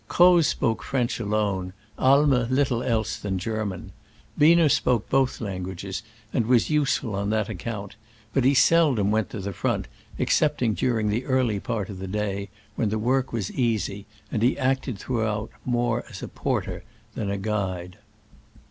Croz spoke French alone. Aimer little else than German. Biener spoke both languages, and was useful on that account ; but he seldom went to the front, excepting during the early part of the day, when the work was easy, and he acted throughout more as a porter than as a guide.